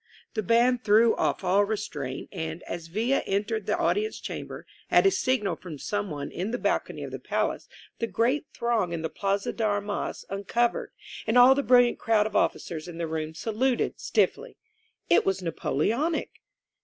The band threw off all restraint, and, as Villa entered the audience cham ber, at a signal from someone in the balcony of the palace, the great throng in the Plaza de Armas uncov ered, and all the brilliant crowd of officers in the room saluted stiffly. It was Napoleonic!